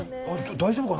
大丈夫かな？